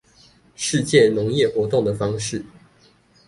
世界農業活動的方式